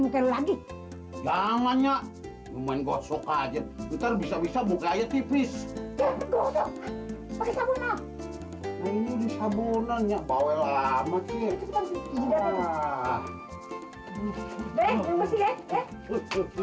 muka lagi jangan ya cuman gosok aja ntar bisa bisa buka aja tipis ya pakai sabun